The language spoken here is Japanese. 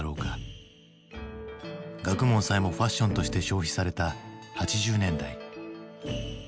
学問さえもファッションとして消費された８０年代。